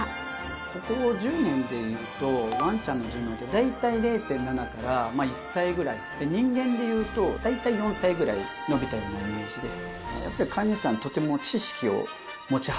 ここ１０年でいうとワンちゃんの寿命って大体０．７から１歳ぐらい人間でいうと大体４歳ぐらい延びたようなイメージです。